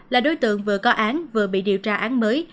là đối tượng vừa có án vừa bị điều tra án mới